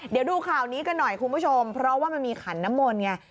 เดี๋ยวดูข่าวนี้กันหน่อยคุณผู้ชมเพราะว่ามันมีขันน้ำมนต์ไง